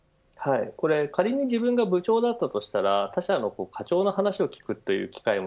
仮に、自分が部長だとしたら他社の課長の話を聞く機会も